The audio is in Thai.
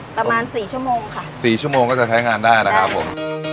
ประมาณสี่ชั่วโมงค่ะสี่ชั่วโมงก็จะใช้งานได้นะครับผม